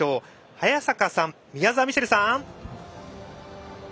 早坂さん、宮澤ミシェルさん。